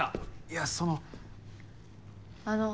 いやその。